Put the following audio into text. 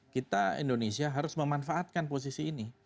kita indonesia harus memanfaatkan posisi ini